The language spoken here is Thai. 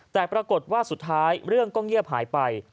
แต่ปรากฏว่าสุดท้ายเรื่องก็เงียบหายไป